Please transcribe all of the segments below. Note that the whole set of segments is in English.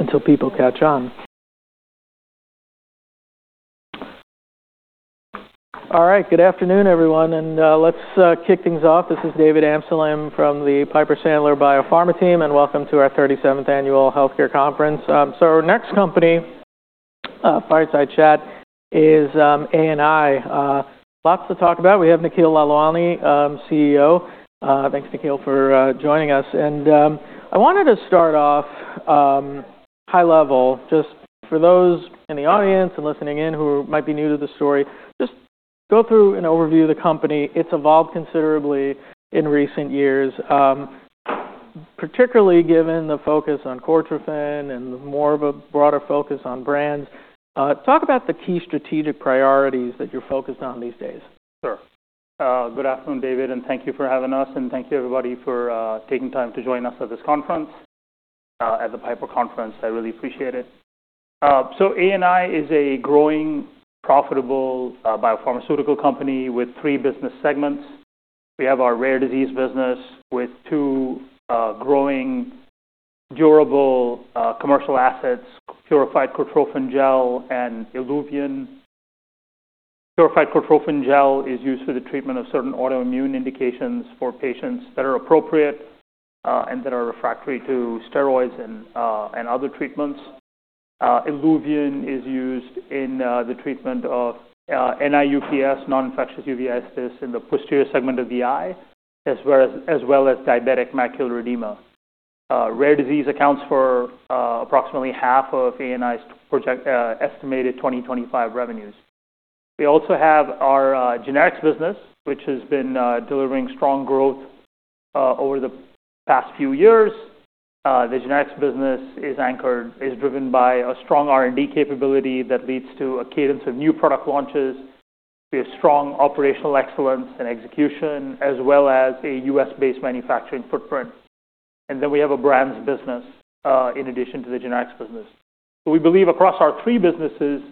Until people catch on. All right, good afternoon, everyone, and let's kick things off. This is David Amselheim from the Piper Sandler Biopharma team, and welcome to our 37th Annual Healthcare Conference. So our next company, fireside chat, is ANI. Lots to talk about. We have Nikhil Lalwani, CEO. Thanks, Nikhil, for joining us. And I wanted to start off high level, just for those in the audience and listening in who might be new to the story, just go through an overview of the company. It's evolved considerably in recent years, particularly given the focus on Cortrophin Gel and more of a broader focus on brands. Talk about the key strategic priorities that you're focused on these days. Sure. Good afternoon, David, and thank you for having us, and thank you, everybody, for taking time to join us at this conference, at the Piper Conference. I really appreciate it. So ANI is a growing, profitable biopharmaceutical company with three business segments. We have our rare disease business with two growing, durable commercial assets, Purified Cortrophin Gel and ILUVIEN. Purified Cortrophin Gel is used for the treatment of certain autoimmune indications for patients that are appropriate and that are refractory to steroids and other treatments. ILUVIEN is used in the treatment of NIUPS, non-infectious uveitis, in the posterior segment of the eye, as well as diabetic macular edema. Rare disease accounts for approximately half of ANI's estimated 2025 revenues. We also have our generics business, which has been delivering strong growth over the past few years. The generics business is driven by a strong R&D capability that leads to a cadence of new product launches. We have strong operational excellence and execution, as well as a U.S.-based manufacturing footprint. And then we have a brands business in addition to the generics business. So we believe across our three businesses,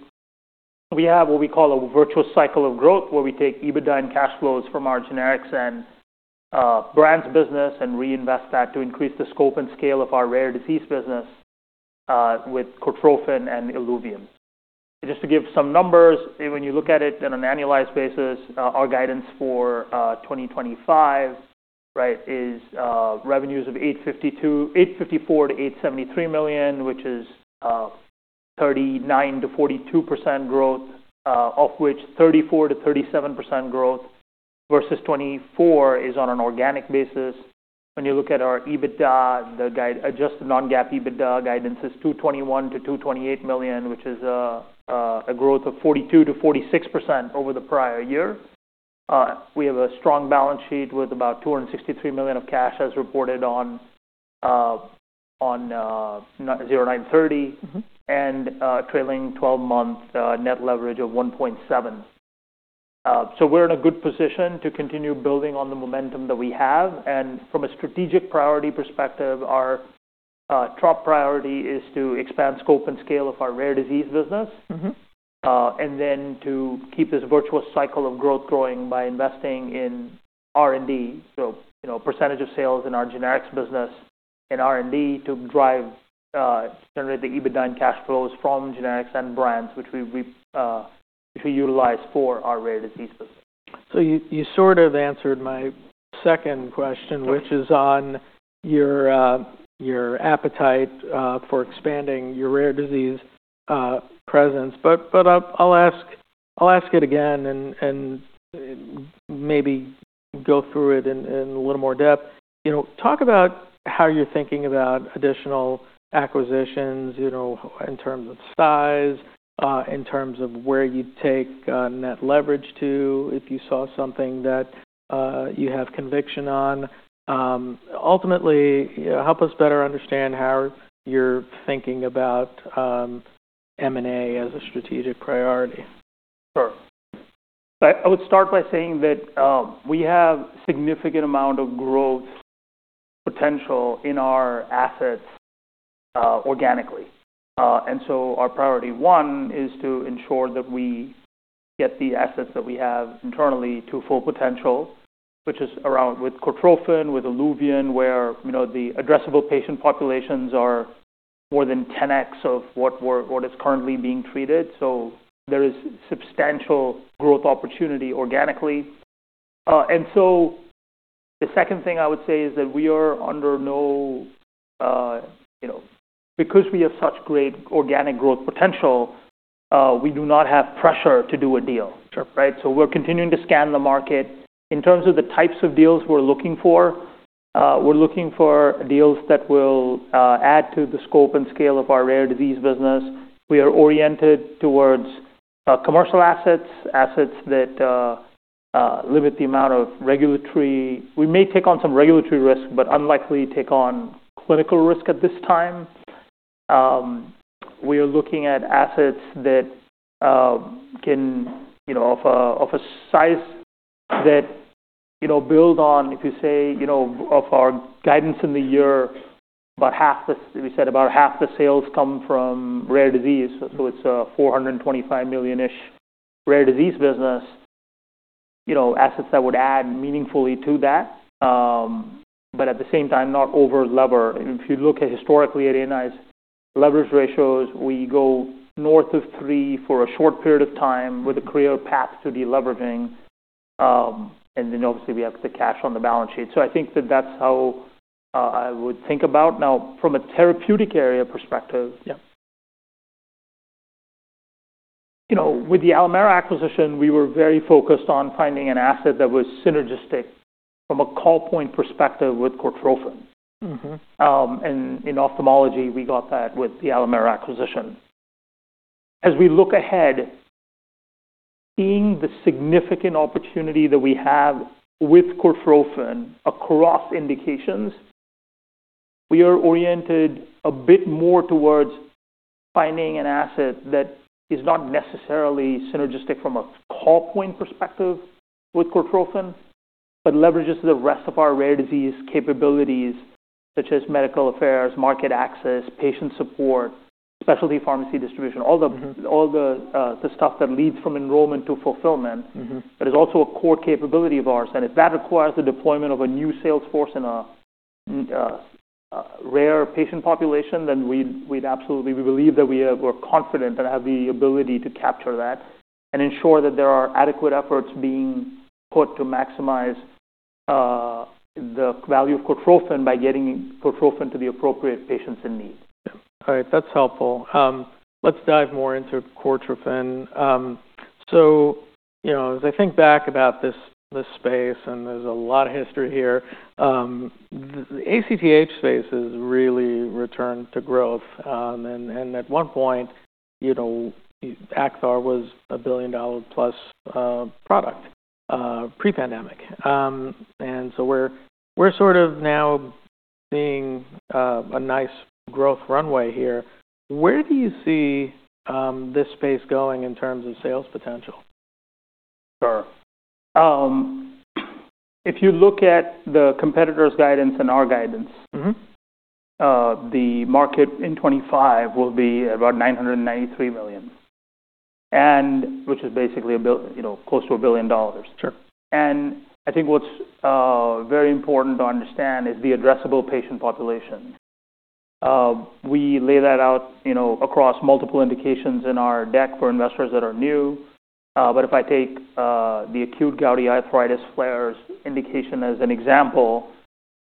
we have what we call a virtuous cycle of growth, where we take EBITDA and cash flows from our generics and brands business and reinvest that to increase the scope and scale of our rare disease business with Cortrophin Gel and Iluvien. Just to give some numbers, when you look at it on an annualized basis, our guidance for 2025 is revenues of $854 million-$873 million, which is 39%-42% growth, of which 34%-37% growth versus 2024 is on an organic basis. When you look at our EBITDA, the adjusted non-GAAP EBITDA guidance is $221 million-$228 million, which is a growth of 42%-46% over the prior year. We have a strong balance sheet with about $263 million of cash as reported on 09/30 and trailing 12-month net leverage of 1.7. So we're in a good position to continue building on the momentum that we have. And from a strategic priority perspective, our top priority is to expand scope and scale of our rare disease business and then to keep this virtuous cycle of growth going by investing in R&D. So percentage of sales in our generics business and R&D to generate the EBITDA and cash flows from generics and brands, which we utilize for our rare disease business. So you sort of answered my second question, which is on your appetite for expanding your rare disease presence. But I'll ask it again and maybe go through it in a little more depth. Talk about how you're thinking about additional acquisitions in terms of size, in terms of where you take net leverage to if you saw something that you have conviction on. Ultimately, help us better understand how you're thinking about M&A as a strategic priority. Sure. I would start by saying that we have a significant amount of growth potential in our assets organically, and so our priority one is to ensure that we get the assets that we have internally to full potential, which is around with Cortrophin Gel, with ILUVIEN, where the addressable patient populations are more than 10x of what is currently being treated, so there is substantial growth opportunity organically, and so the second thing I would say is that we are under no pressure because we have such great organic growth potential, we do not have pressure to do a deal, so we're continuing to scan the market. In terms of the types of deals we're looking for, we're looking for deals that will add to the scope and scale of our rare disease business. We are oriented towards commercial assets, assets that limit the amount of regulatory we may take on some regulatory risk, but unlikely to take on clinical risk at this time. We are looking at assets that can of a size that build on, if you say, of our guidance in the year, about half the we said about half the sales come from rare disease. So it's a $425 million-ish rare disease business, assets that would add meaningfully to that, but at the same time, not over-lever. If you look historically at ANI's leverage ratios, we go north of three for a short period of time with a clear path to deleveraging. And then obviously, we have the cash on the balance sheet. So I think that that's how I would think about. Now, from a therapeutic area perspective, with the Alimera acquisition, we were very focused on finding an asset that was synergistic from a call point perspective with Cortrophin Gel. And in ophthalmology, we got that with the Alimera acquisition. As we look ahead, seeing the significant opportunity that we have with Cortrophin Gel across indications, we are oriented a bit more towards finding an asset that is not necessarily synergistic from a call point perspective with Cortrophin Gel, but leverages the rest of our rare disease capabilities, such as medical affairs, market access, patient support, specialty pharmacy distribution, all the stuff that leads from enrollment to fulfillment. But it's also a core capability of ours. If that requires the deployment of a new sales force in a rare patient population, then we'd absolutely believe that we are confident and have the ability to capture that and ensure that there are adequate efforts being put to maximize the value of Cortrophin Gel by getting Cortrophin Gel to the appropriate patients in need. All right. That's helpful. Let's dive more into Cortrophin Gel, so as I think back about this space, and there's a lot of history here, the ACTH space has really returned to growth, and at one point, Acthar was a billion-dollar-plus product pre-pandemic, and so we're sort of now seeing a nice growth runway here. Where do you see this space going in terms of sales potential? Sure. If you look at the competitor's guidance and our guidance, the market in 2025 will be about $993 million, which is basically close to $1 billion. And I think what's very important to understand is the addressable patient population. We lay that out across multiple indications in our deck for investors that are new. But if I take the acute gouty arthritis flares indication as an example,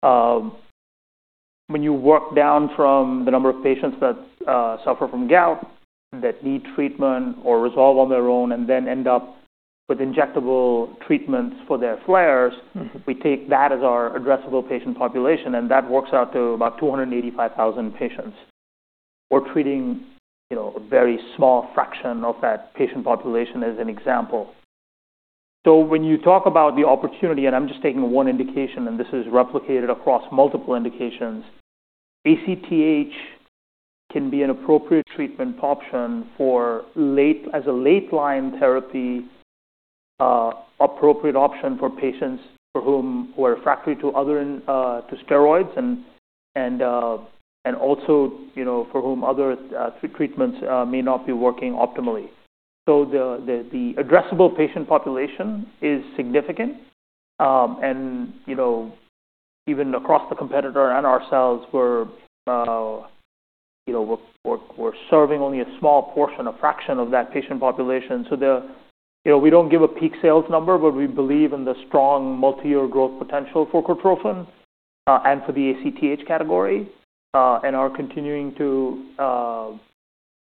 when you work down from the number of patients that suffer from gout, that need treatment or resolve on their own, and then end up with injectable treatments for their flares, we take that as our addressable patient population, and that works out to about 285,000 patients. We're treating a very small fraction of that patient population as an example. So when you talk about the opportunity, and I'm just taking one indication, and this is replicated across multiple indications, ACTH can be an appropriate treatment option as a late-line therapy for patients who are refractory to steroids and also for whom other treatments may not be working optimally. So the addressable patient population is significant. And even across the competitor and ourselves, we're serving only a small portion, a fraction of that patient population. So we don't give a peak sales number, but we believe in the strong multi-year growth potential for Cortrophin Gel and for the ACTH category. And are continuing to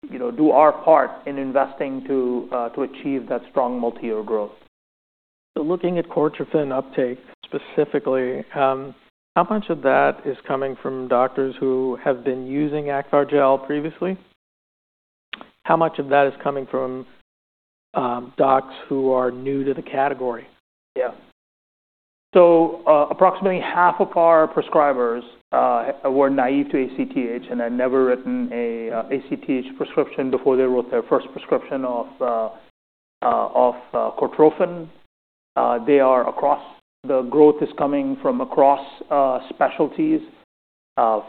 do our part in investing to achieve that strong multi-year growth. Looking at Cortrophin Gel uptake specifically, how much of that is coming from doctors who have been using Acthar Gel previously? How much of that is coming from docs who are new to the category? Yeah. So approximately half of our prescribers were naive to ACTH, and had never written an ACTH prescription before they wrote their first prescription of Cortrophin Gel. The growth is coming from across specialties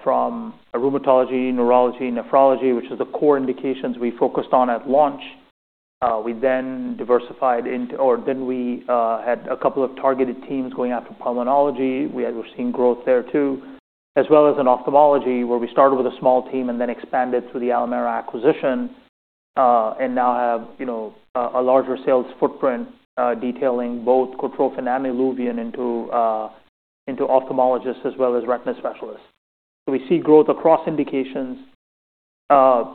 from rheumatology, neurology, nephrology, which are the core indications we focused on at launch. We then diversified into, then we had a couple of targeted teams going after pulmonology. We were seeing growth there too, as well as in ophthalmology, where we started with a small team and then expanded through the Alimera acquisition and now have a larger sales footprint detailing both Cortrophin Gel and ILUVIEN into ophthalmologists as well as retina specialists. So we see growth across indications, a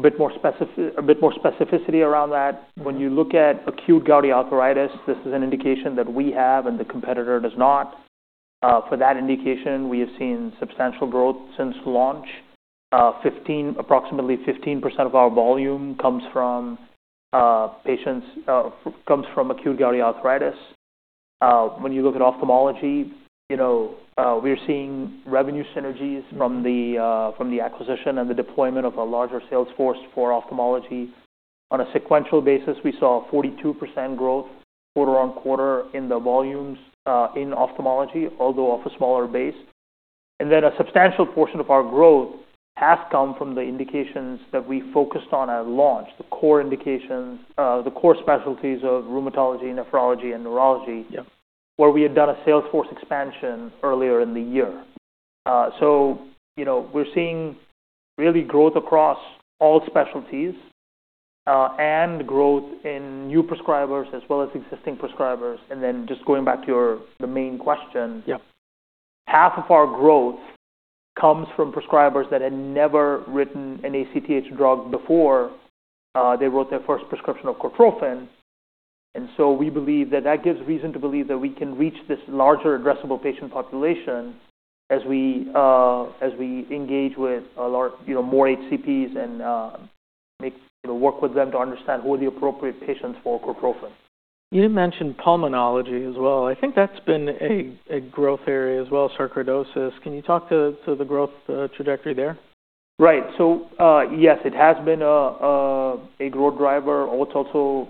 bit more specificity around that. When you look at acute gouty arthritis, this is an indication that we have and the competitor does not. For that indication, we have seen substantial growth since launch. Approximately 15% of our volume comes from acute gouty arthritis. When you look at ophthalmology, we are seeing revenue synergies from the acquisition and the deployment of a larger sales force for ophthalmology. On a sequential basis, we saw 42% growth quarter on quarter in the volumes in ophthalmology, although off a smaller base, and then a substantial portion of our growth has come from the indications that we focused on at launch, the core indications, the core specialties of rheumatology, nephrology, and neurology, where we had done a sales force expansion earlier in the year, so we're seeing really growth across all specialties and growth in new prescribers as well as existing prescribers. Then, just going back to the main question, half of our growth comes from prescribers that had never written an ACTH drug before they wrote their first prescription of Cortrophin Gel. And so we believe that that gives reason to believe that we can reach this larger addressable patient population as we engage with more HCPs and work with them to understand who are the appropriate patients for Cortrophin Gel. You mentioned pulmonology as well. I think that's been a growth area as well, sarcoidosis. Can you talk to the growth trajectory there? Right. So yes, it has been a growth driver. What's also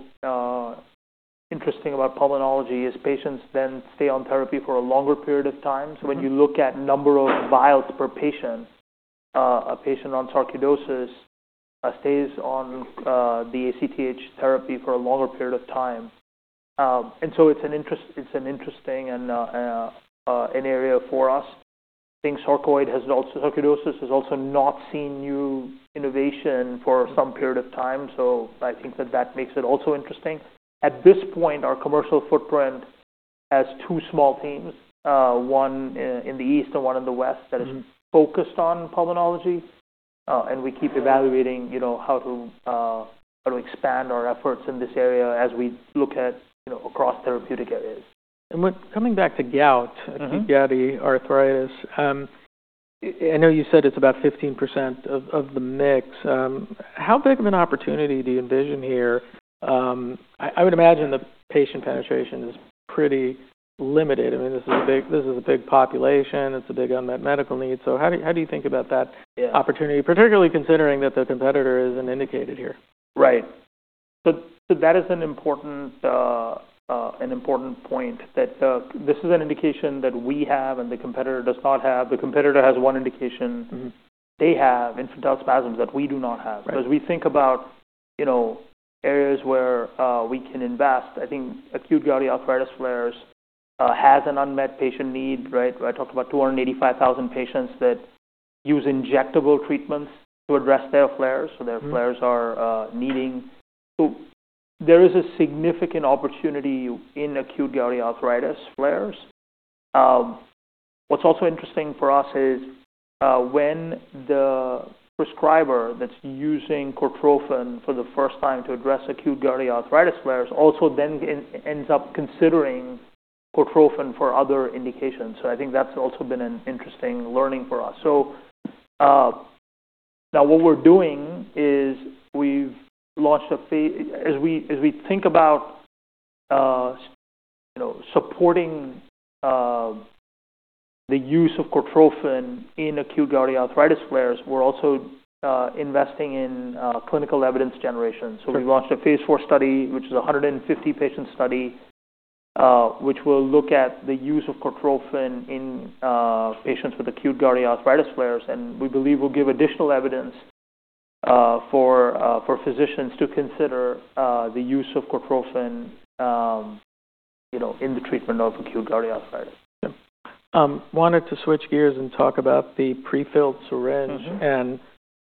interesting about pulmonology is patients then stay on therapy for a longer period of time. So when you look at number of vials per patient, a patient on sarcoidosis stays on the ACTH therapy for a longer period of time. And so it's an interesting area for us. I think sarcoidosis has also not seen new innovation for some period of time. So I think that that makes it also interesting. At this point, our commercial footprint has two small teams, one in the east and one in the west, that is focused on pulmonology. And we keep evaluating how to expand our efforts in this area as we look at across therapeutic areas. Coming back to gout, acute gouty arthritis, I know you said it's about 15% of the mix. How big of an opportunity do you envision here? I would imagine the patient penetration is pretty limited. I mean, this is a big population. It's a big unmet medical need. So how do you think about that opportunity, particularly considering that the competitor isn't indicated here? Right. So that is an important point, that this is an indication that we have and the competitor does not have. The competitor has one indication. They have infantile spasms that we do not have. So as we think about areas where we can invest, I think acute gouty arthritis flares has an unmet patient need, right? I talked about 285,000 patients that use injectable treatments to address their flares. So their flares are needing. So there is a significant opportunity in acute gouty arthritis flares. What's also interesting for us is when the prescriber that's using Cortrophin Gel for the first time to address acute gouty arthritis flares also then ends up considering Cortrophin Gel for other indications. So I think that's also been an interesting learning for us. So now what we're doing is we've launched as we think about supporting the use of Cortrophin Gel in acute gouty arthritis flares, we're also investing in clinical evidence generation. So we launched a phase 4 study, which is a 150-patient study, which will look at the use of Cortrophin Gel in patients with acute gouty arthritis flares. And we believe we'll give additional evidence for physicians to consider the use of Cortrophin Gel in the treatment of acute gouty arthritis. Yeah. Wanted to switch gears and talk about the prefilled syringe and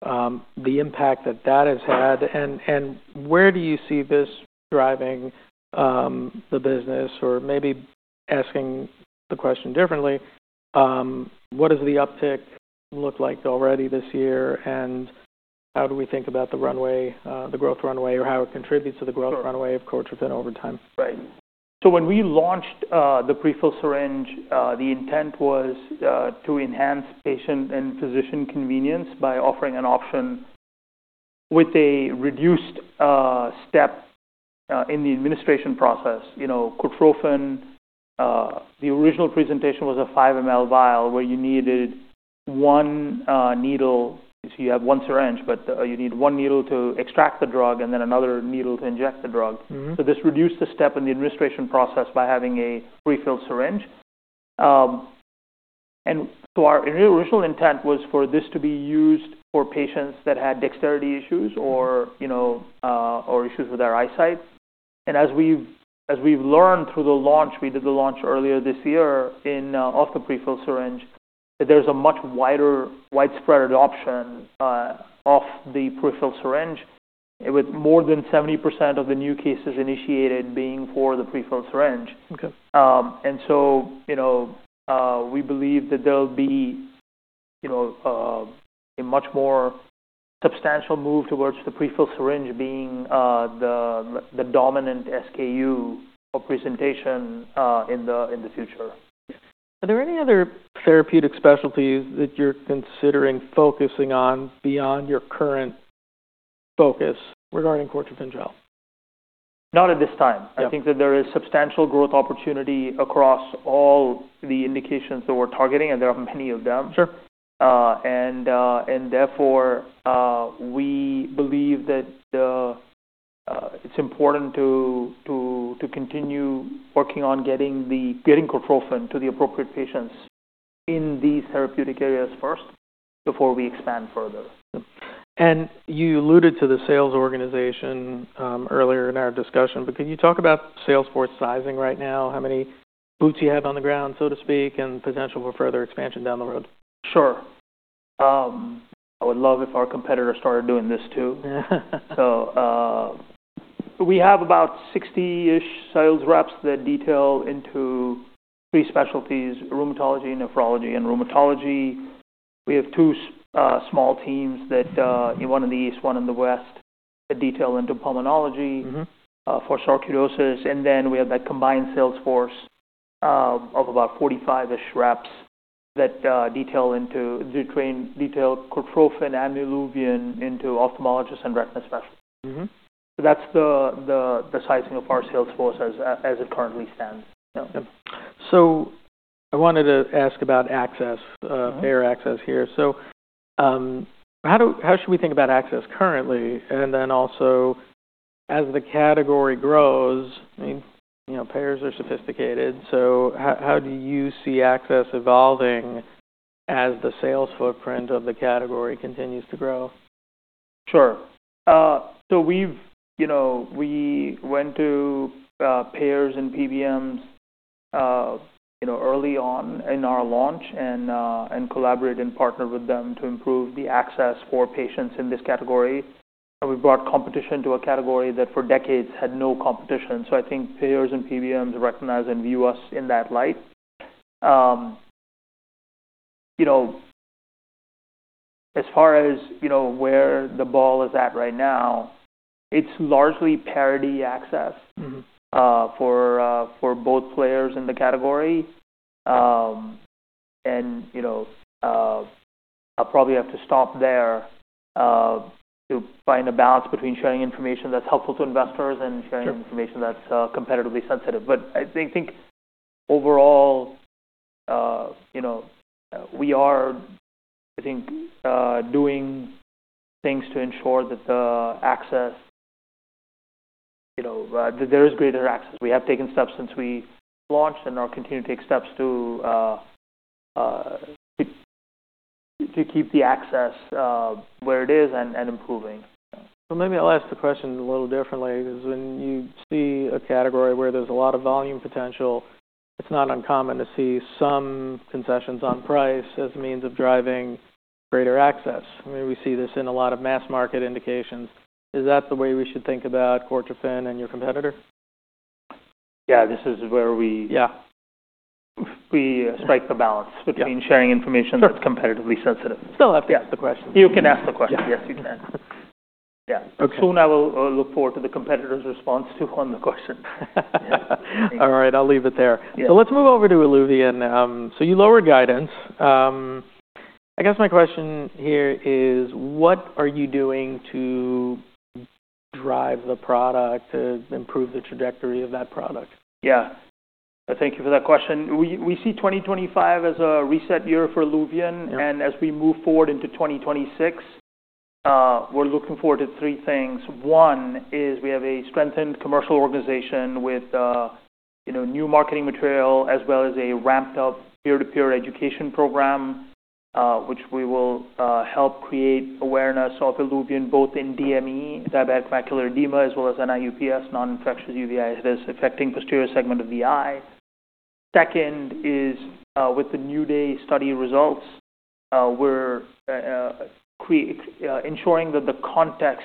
the impact that that has had, and where do you see this driving the business, or maybe asking the question differently, what does the uptick look like already this year, and how do we think about the growth runway or how it contributes to the growth runway of Cortrophin Gel over time? Right. So when we launched the prefilled syringe, the intent was to enhance patient and physician convenience by offering an option with a reduced step in the administration process. Cortrophin Gel, the original presentation was a 5-mL vial where you needed one needle. So you have one syringe, but you need one needle to extract the drug and then another needle to inject the drug. So this reduced the step in the administration process by having a prefilled syringe. And so our original intent was for this to be used for patients that had dexterity issues or issues with their eyesight. And as we've learned through the launch we did earlier this year of the prefilled syringe, there's a much wider widespread adoption of the prefilled syringe, with more than 70% of the new cases initiated being for the prefilled syringe. And so we believe that there'll be a much more substantial move towards the prefilled syringe being the dominant SKU of presentation in the future. Are there any other therapeutic specialties that you're considering focusing on beyond your current focus regarding Cortrophin Gel? Not at this time. I think that there is substantial growth opportunity across all the indications that we're targeting, and there are many of them. And therefore, we believe that it's important to continue working on getting Cortrophin Gel to the appropriate patients in these therapeutic areas first before we expand further. You alluded to the sales organization earlier in our discussion, but could you talk about sales force sizing right now? How many boots you have on the ground, so to speak, and potential for further expansion down the road? Sure. I would love if our competitor started doing this too. So we have about 60-ish sales reps that detail into three specialties: rheumatology, nephrology, and neurology. We have two small teams that, one in the east, one in the west, that detail into pulmonology for sarcoidosis. And then we have that combined sales force of about 45-ish reps that detail into Cortrophin Gel and ILUVIEN into ophthalmologists and retina specialists. So that's the sizing of our sales force as it currently stands. Yeah. So I wanted to ask about access, payer access here. So how should we think about access currently? And then also, as the category grows, payers are sophisticated. So how do you see access evolving as the sales footprint of the category continues to grow? Sure. So we went to payers and PBMs early on in our launch and collaborated and partnered with them to improve the access for patients in this category. And we brought competition to a category that for decades had no competition. So I think payers and PBMs recognize and view us in that light. As far as where the ball is at right now, it's largely parity access for both players in the category. And I'll probably have to stop there to find a balance between sharing information that's helpful to investors and sharing information that's competitively sensitive. But I think overall, we are, I think, doing things to ensure that there is greater access. We have taken steps since we launched and are continuing to take steps to keep the access where it is and improving. Maybe I'll ask the question a little differently. Because when you see a category where there's a lot of volume potential, it's not uncommon to see some concessions on price as a means of driving greater access. I mean, we see this in a lot of mass market indications. Is that the way we should think about Cortrophin Gel and your competitor? Yeah. This is where we strike the balance between sharing information that's competitively sensitive. Still have to ask the question. You can ask the question. Yes, you can. Yeah. Soon I will look forward to the competitor's response to on the question. All right. I'll leave it there. So let's move over to Iluvien. So you lower guidance. I guess my question here is, what are you doing to drive the product to improve the trajectory of that product? Yeah. Thank you for that question. We see 2025 as a reset year for ILUVIEN, and as we move forward into 2026, we're looking forward to three things. One is we have a strengthened commercial organization with new marketing material as well as a ramped-up peer-to-peer education program, which we will help create awareness of ILUVIEN both in DME, diabetic macular edema, as well as NIUPS, non-infectious uveitis affecting posterior segment of the eye. Second is, with the NEW DAY study results, we're ensuring that the context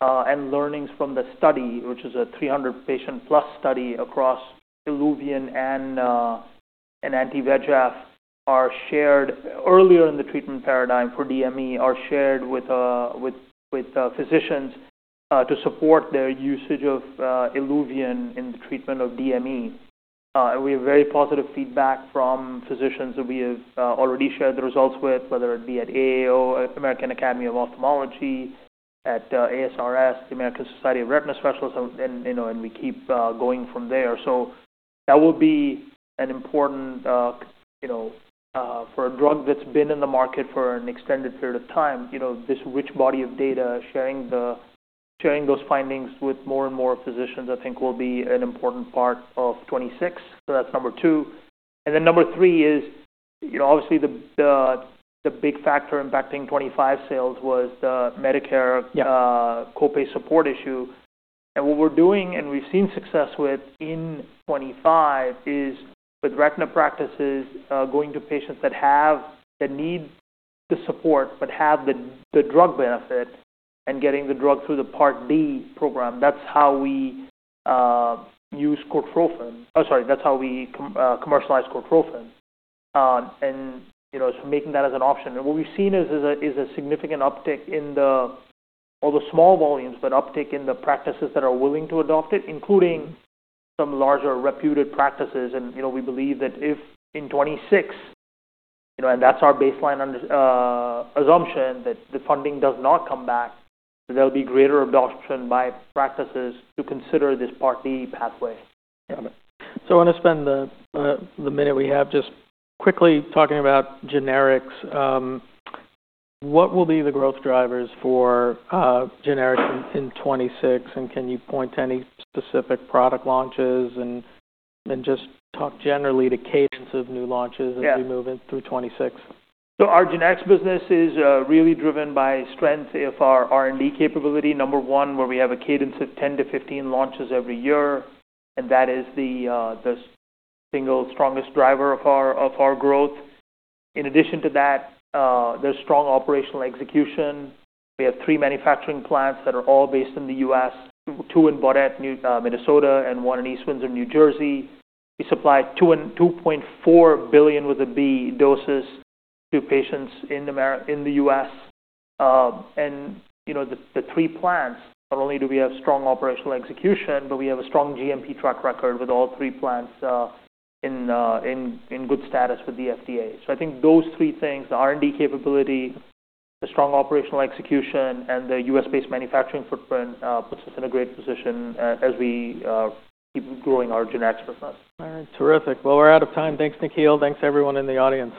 and learnings from the study, which is a 300-patient-plus study across ILUVIEN and Anti-VEGF, are shared earlier in the treatment paradigm for DME, shared with physicians to support their usage of ILUVIEN in the treatment of DME. We have very positive feedback from physicians that we have already shared the results with, whether it be at AAO, American Academy of Ophthalmology, at ASRS, the American Society of Retina Specialists, and we keep going from there. So that will be an important for a drug that's been in the market for an extended period of time, this rich body of data, sharing those findings with more and more physicians, I think will be an important part of 2026. So that's number two. And then number three is, obviously, the big factor impacting 2025 sales was the Medicare copay support issue. And what we're doing, and we've seen success with in 2025, is with retina practices going to patients that need the support but have the drug benefit and getting the drug through the Part D program. That's how we use Cortrophin Gel. Oh, sorry. That's how we commercialize Cortrophin Gel. And so, making that as an option. And what we've seen is a significant uptick in all the small volumes, but uptick in the practices that are willing to adopt it, including some larger reputed practices. And we believe that if in 2026, and that's our baseline assumption, that the funding does not come back, there'll be greater adoption by practices to consider this Part D pathway. Got it. So I want to spend the minute we have just quickly talking about generics. What will be the growth drivers for generics in 2026? And can you point to any specific product launches and just talk generally to cadence of new launches as we move in through 2026? Our generics business is really driven by strength of our R&D capability, number one, where we have a cadence of 10 to 15 launches every year. And that is the single strongest driver of our growth. In addition to that, there's strong operational execution. We have three manufacturing plants that are all based in the U.S., two in Baudette, Minnesota, and one in East Windsor, New Jersey. We supply 2.4 billion doses to patients in the U.S. And the three plants, not only do we have strong operational execution, but we have a strong GMP track record with all three plants in good status with the FDA. So I think those three things, the R&D capability, the strong operational execution, and the U.S.-based manufacturing footprint puts us in a great position as we keep growing our generics business. All right. Terrific. Well, we're out of time. Thanks, Nikhil. Thanks, everyone in the audience.